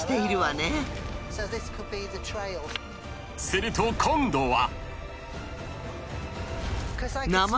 ［すると今度は］